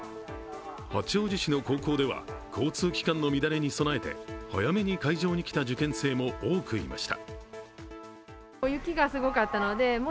八王子市の高校では、交通機関の乱れに備えて早めに会場に来た受験生も多くいました。